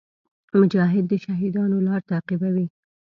مجاهد د شهیدانو لار تعقیبوي.